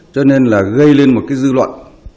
cho nên là gây lên một cái dư luận